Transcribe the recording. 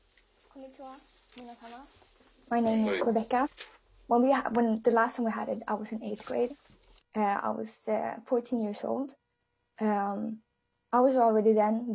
こんにちは、皆様。